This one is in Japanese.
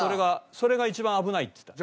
それが一番危ないっつってた。